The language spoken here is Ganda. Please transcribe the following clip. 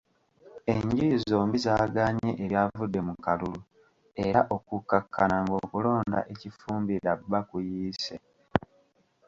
Enjuyi zombi zaagaanye ebyavudde mu kalulu era okukkakkana ng'okulonda e Kifumbira B kuyiise.